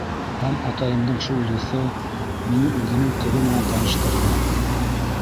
Һәм атайымдың шул дуҫы мине үҙенең ҡыҙы менән таныштырҙы...